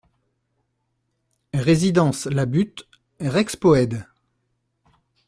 Résidence La Butte, Rexpoëde